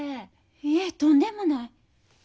いえとんでもない。